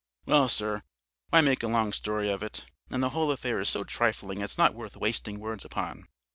"Well, sir, why make a long story of it? And the whole affair is so trifling; it's not worth wasting words upon.